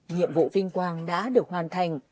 nhiệm vụ vinh quang đã được hoàn thành